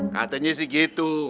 katanya sih gitu